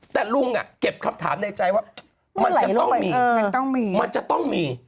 แต่ลุงเก็บคำถามในใจว่ามันจะต้องมี